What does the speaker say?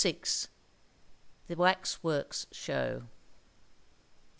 * *THE WAX WORK SHOW.